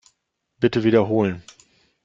Bitte wiederholen.